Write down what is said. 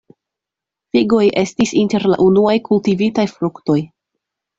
Figoj estis inter la unuaj kultivitaj fruktoj.